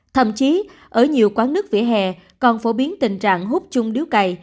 thậm chí ở nhiều quán nước vỉa hè còn phổ biến tình trạng hút chung điếu cày